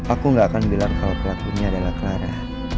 aku gak akan bilang kalau pelakunya adalah clara